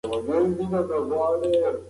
زده کوونکي د ادب په درس کې کیسې لوړي.